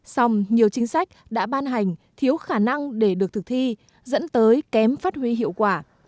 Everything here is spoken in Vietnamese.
xong nhiều chính sách đã ban hành thiếu khả năng để được thực thi dẫn tới kém phát huy hiệu quả